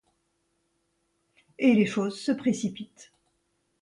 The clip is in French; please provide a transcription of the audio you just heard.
Et les choses se précipitent.